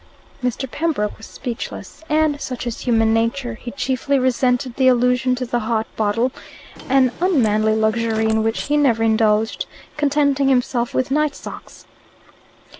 Mr. Pembroke was speechless, and such is human nature he chiefly resented the allusion to the hot bottle; an unmanly luxury in which he never indulged; contenting himself with nightsocks.